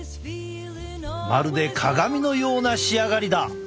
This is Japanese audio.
まるで鏡のような仕上がりだ！